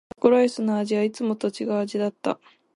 今日のタコライスの味はいつもと違う味だった。